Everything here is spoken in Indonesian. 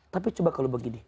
tapi coba kalau begini